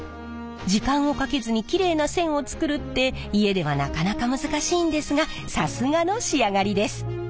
時間をかけずにキレイな線を作るって家ではなかなか難しいんですがさすがの仕上がりです。